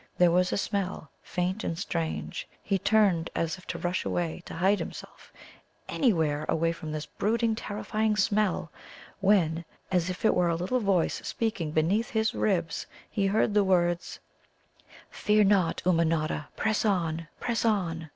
There was a smell, faint and strange. He turned as if to rush away, to hide himself anywhere away from this brooding, terrifying smell, when, as if it were a little voice speaking beneath his ribs, he heard the words: "Fear not, Ummanodda; press on, press on!"